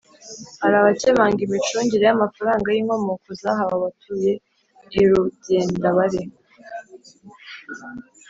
hari abakemanga imicungire y’amafaranga y’inkomoko zahawe abatuye I rugendabare